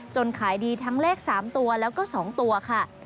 ขายดีทั้งเลข๓ตัวแล้วก็๒ตัวค่ะ